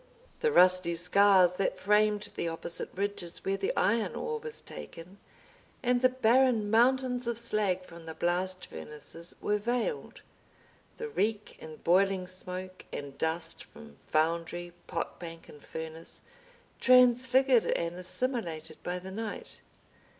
The rusty scars that framed the opposite ridges where the iron ore was taken and the barren mountains of slag from the blast furnaces were veiled; the reek and boiling smoke and dust from foundry, pot bank, and furnace, transfigured and assimilated by the night.